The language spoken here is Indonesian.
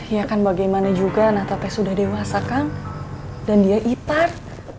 ya kan bagaimana juga nata sudah dewasa kang dan dia ipar